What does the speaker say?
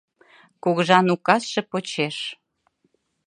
— Кугыжан указше почеш.